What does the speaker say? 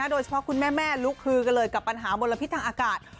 คุณแม่ลุกฮือกันเลยกับปัญหามลพิษทางอากาศ